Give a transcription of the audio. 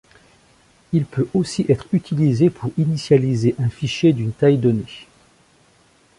Il peut aussi être utilisé pour initialiser un fichier d'une taille donnée.